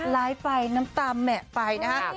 ล้ายไปน้ำตาแหมะไปนะครับ